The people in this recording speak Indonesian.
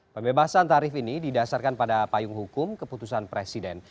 pembebasan tarif ini didasarkan pada payung hukum keputusan presiden